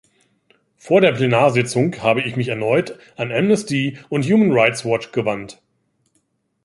Vor der Plenarsitzung habe ich mich erneut an Amnesty und Human Rights Watch gewandt.